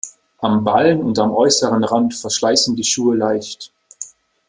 Am Ballen und am äußeren Rand verschleißen die Schuhe leicht.